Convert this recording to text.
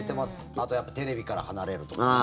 あとやっぱりテレビから離れるとかね。